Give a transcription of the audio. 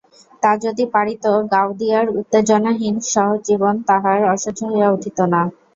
তা যদি পারিত, গাওদিয়ার উত্তেজনাহীন সহজ জীবন তাহার অসহ্য হইয়া উঠিত না।